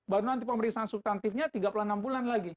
baru nanti pemeriksaan subtantifnya tiga puluh enam bulan lagi